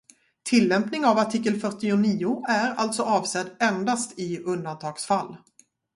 Tillämpning av artikel fyrtionio är alltså avsedd endast i undantagsfall.